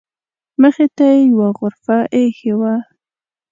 مخې ته یې یوه غرفه ایښې وه.